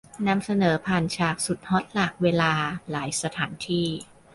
นำเสนอผ่านฉากสุดฮอตหลากเวลาหลายสถานที่